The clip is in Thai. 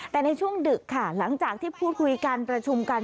แต่ในช่วงดึกค่ะหลังจากที่พูดคุยกันประชุมกัน